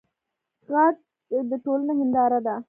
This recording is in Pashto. غږ د ټولنې هنداره ده